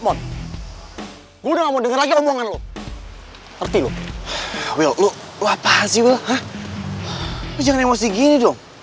mon udah mau denger lagi omongan lu ngerti lu will lu apa sih will jangan emosi gini dong